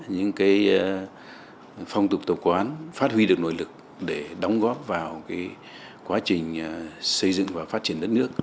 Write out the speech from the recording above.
những cái phong tục tổ quán phát huy được nội lực để đóng góp vào cái quá trình xây dựng và phát triển đất nước